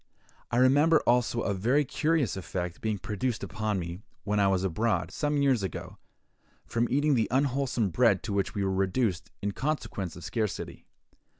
I remember also a very curious effect being produced upon me, when I was abroad, some years ago, from eating the unwholesome bread to which we were reduced, in consequence of a scarcity.